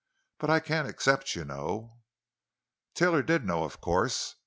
But I can't accept, you know." Taylor did know, of course.